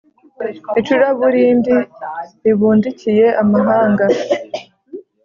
icuraburindi ribundikiye amahanga;